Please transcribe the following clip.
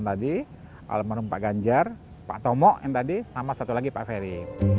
tadi almarhum pak ganjar pak tomo yang tadi sama satu lagi pak ferry